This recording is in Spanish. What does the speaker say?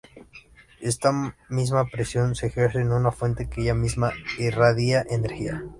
Esta misma presión se ejerce en una fuente que ella misma irradia energía.